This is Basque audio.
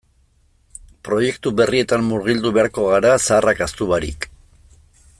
Proiektu berrietan murgildu beharko gara zaharrak ahaztu barik.